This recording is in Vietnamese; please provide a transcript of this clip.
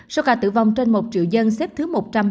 số ca tử vong trên một triệu dân xếp thứ một trăm ba mươi